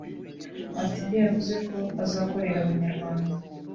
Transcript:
afite ibyo yavuze ko azakorera Abanyarwanda